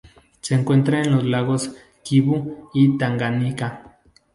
Se encuentra en los lagos Kivu y Tanganika.